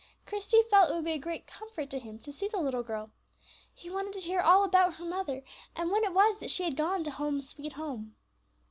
Christie felt it would be a great comfort to him to see the little girl. He wanted to hear all about her mother, and when it was that she had gone to "Home, sweet Home."